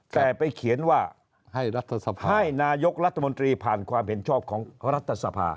แต่ไปเขียนว่าให้รัฐสภาให้นายกรัฐมนตรีผ่านความเห็นชอบของรัฐสภา